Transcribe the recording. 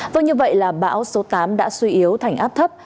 vâng như vậy là bão số tám đã suy yếu thành áp thấp